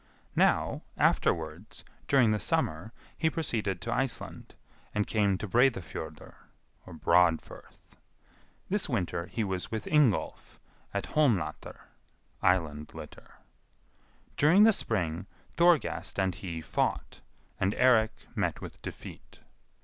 Now, afterwards, during the summer, he proceeded to Iceland, and came to Breidafjordr (Broadfirth). This winter he was with Ingolf, at Holmlatr (Island litter). During the spring, Thorgest and he fought, and Eirik met with defeat.